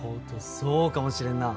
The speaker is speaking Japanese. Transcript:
そうかもしれんなあ。